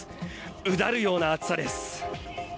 うだるような暑さです。